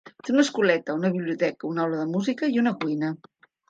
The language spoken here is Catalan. Té una escoleta, una biblioteca, una aula de música i una cuina.